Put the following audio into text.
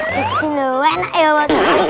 tapi jadi lho enak ya pak ustadz